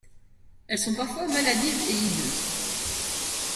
Elles sont parfois maladives et hideuses.